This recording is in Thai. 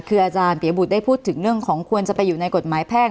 คืออาจารย์เปียบุตรได้พูดถึงเรื่องของควรจะไปอยู่ในกฎหมายแพ่ง